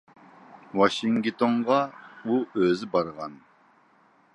ۋاشىنگتونغا ئۇ ئۆزى بارغان.